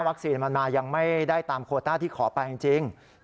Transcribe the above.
วัคซีนมันมายังไม่ได้ตามควอตาที่ขอไปจริง